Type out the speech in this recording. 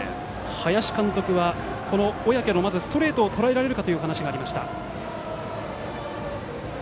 林監督からは小宅のストレートをまず、とらえられるかというお話がありました。